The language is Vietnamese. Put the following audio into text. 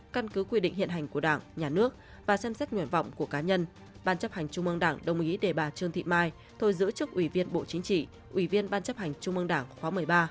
căn cứ quy định hiện hành của đảng nhà nước và xem xét nguyện vọng của cá nhân ban chấp hành trung ương đảng đồng ý đề bà trương thị mai thôi giữ chức ủy viên bộ chính trị ủy viên ban chấp hành trung ương đảng khóa một mươi ba